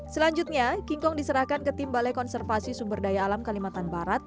selanjutnya king kong diserahkan ke tim balai konservasi sumber daya alam kalimantan barat